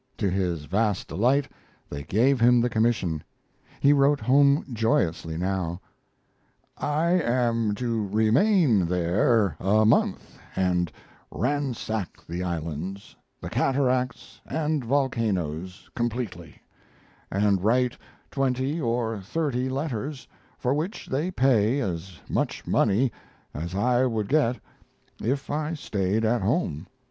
To his vast delight, they gave him the commission. He wrote home joyously now: I am to remain there a month and ransack the islands, the cataracts and volcanoes completely, and write twenty or thirty letters, for which they pay as much money as I would get if I stayed at home.